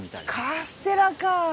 カステラか。